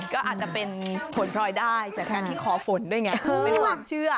ก็อาจจะเป็นผลพลอยได้จากทางที่ขอฝนด้วยไง